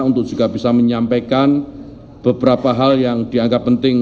untuk juga bisa menyampaikan beberapa hal yang dianggap penting